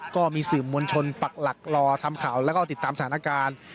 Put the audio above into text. ก็มีสื่อมวลชนปักหลักรอทำข่าวแล้วก็ติดตามสถานการณ์